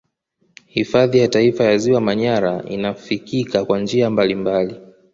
Hifadhi ya Taifa ya ziwa Manyara inafikika kwa njia mbalimbali